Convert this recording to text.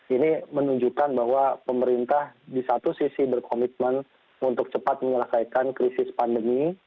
ini menunjukkan bahwa pemerintah di satu sisi berkomitmen untuk cepat menyelesaikan krisis pandemi